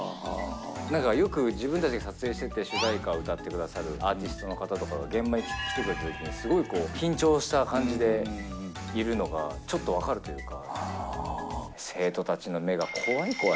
なんかよく、自分たちが撮影してて、主題歌を歌ってくださるアーティストの方とかが現場に来てくれたときに、すごい緊張した感じでいるのが、ちょっと分かるというか。